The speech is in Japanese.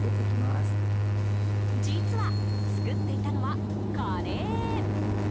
実は、作っていたのはカレー。